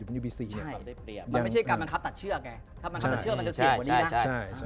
มันไม่ใช่การบันครับตัดเชือกถ้าบันครับตัดเชือกมันจะเสี่ยงกว่านี้